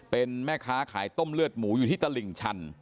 เป็นแม่ค้าขายต้มเลือดหมูอยู่ที่ตลิ่งชัน